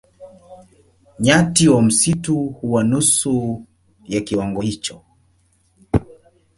Nyati wa msitu huwa nusu ya kiwango hicho.